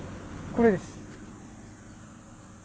これです。